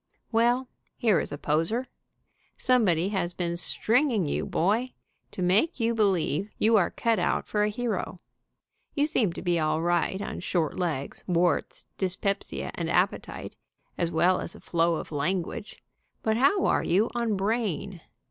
Well, here is a poser. Somebody has been "stringing" you, boy, to make you believe you are cut out for a hero. You seem to be all right on short legs, warts, dyspepsia and appetite, as well as a flow of language, but how are you on brain?